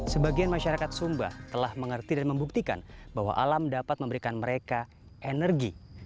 sebagian masyarakat sumba telah mengerti dan membuktikan bahwa alam dapat memberikan mereka energi